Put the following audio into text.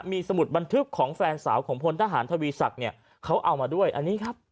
มีสมุดบันทึกของแฟนสาวของพลทหารทวีศักดิ์เนี่ยเขาเอามาด้วยอันนี้ครับ